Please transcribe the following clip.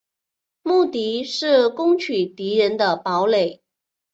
目的是攻取敌人堡垒。